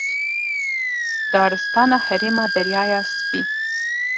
Daristana herêma Deryaya Spî.